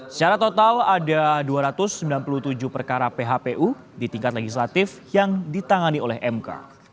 secara total ada dua ratus sembilan puluh tujuh perkara phpu di tingkat legislatif yang ditangani oleh mk